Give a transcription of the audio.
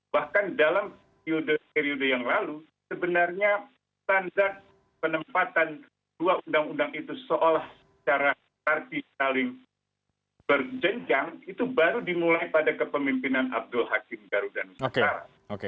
bahkan dalam periode periode yang lalu sebenarnya standar penempatan dua undang undang itu seolah secara artis saling berjenjang itu baru dimulai pada kepemimpinan abdul hakim garuda nusantara